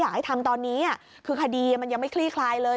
ให้ทำตอนนี้คือคดีมันยังไม่คลี่คลายเลย